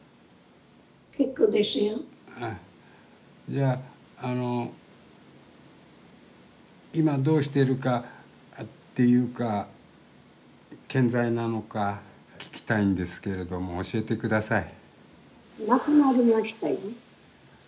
じゃああの今どうしてるかっていうか健在なのか聞きたいんですけれども教えて下さい。